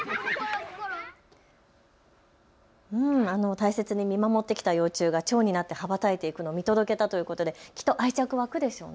大切に見守ってきた幼虫がチョウになって羽ばたいていくのを見届けたということできっと愛着、湧くでしょうね。